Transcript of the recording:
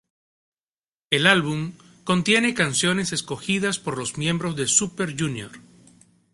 El álbum contiene canciones escogidas por los miembros de Super Junior.